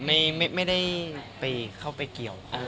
ไม่ได้ไปเข้าไปเกี่ยว